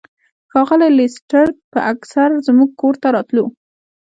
ښاغلی لیسټرډ به اکثر زموږ کور ته راتلو.